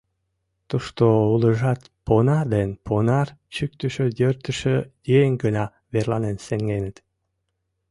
Тушто улыжат понар ден понар чӱктышӧ-йӧртышӧ еҥ гына верланен сеҥеныт.